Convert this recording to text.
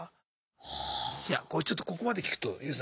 いやこれちょっとここまで聞くとＹＯＵさん